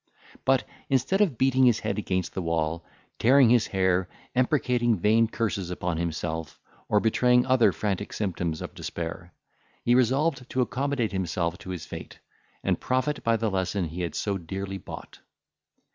But, instead of beating his head against the wall, tearing his hair, imprecating vain curses upon himself, or betraying other frantic symptoms of despair, he resolved to accommodate himself to his fate, and profit by the lesson he had so dearly bought.